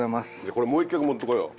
これもう１脚持って来よう。